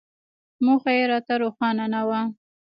موخه یې راته روښانه نه وه.